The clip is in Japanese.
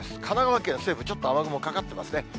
神奈川県西部、ちょっと雨雲かかってますね。